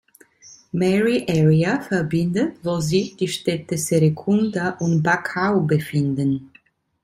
Mary Area verbindet, wo sich die Städte Serekunda und Bakau befinden.